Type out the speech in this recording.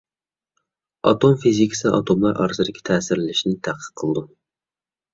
ئاتوم فىزىكىسى ئاتوملار ئارىسىدىكى تەسىرلىشىشنى تەتقىق قىلىدۇ.